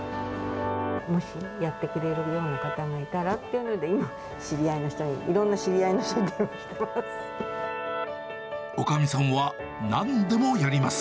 もしやってくれるような方がいたらっていうので、今、知り合いの人に、いろんな知り合いの人に電話してます。